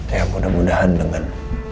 ya mudah mudahan dengan